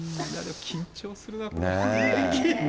緊張するな、これ。